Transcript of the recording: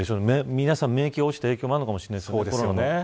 皆さん、免疫が落ちた影響もあるかもしれませんね。